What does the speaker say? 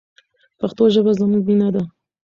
پښتو ژبه زموږ مینه ده.